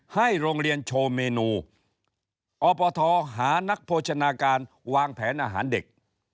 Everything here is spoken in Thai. ให้โรงเรียนโชว์เมนูอปทหานักโภชนาการวางแผนอาหารเด็ก